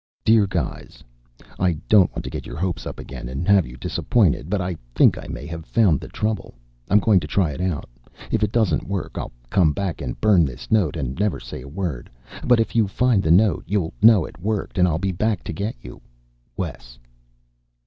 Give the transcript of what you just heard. Dear guys I don't want to get your hopes up again and have you disappointed. But I think I may have found the trouble. I'm going to try it out. If it doesn't work, I'll come back and burn this note and never say a word. But if you find the note, you'll know it worked and I'll be back to get you. Wes.